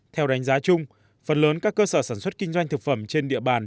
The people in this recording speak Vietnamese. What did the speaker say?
theo đánh giá chung phần lớn các cơ sở sản xuất kinh doanh thực phẩm trên địa bàn